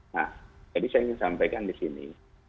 nah jadi saya ingin sampaikan di sini